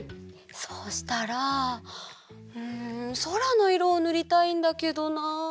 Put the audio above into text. そうしたらんそらのいろをぬりたいんだけどな。